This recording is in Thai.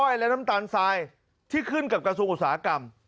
และน้ำตาลทรายที่ขึ้นกับกระทรวงอุตสาหกรรม